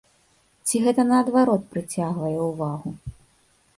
Ці гэта наадварот прыцягвае ўвагу?